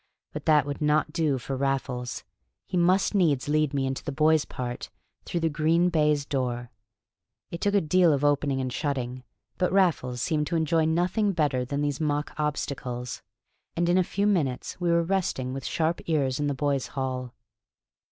But that would not do for Raffles. He must needs lead me into the boys' part, through the green baize door. It took a deal of opening and shutting, but Raffles seemed to enjoy nothing better than these mock obstacles, and in a few minutes we were resting with sharp ears in the boys' hall.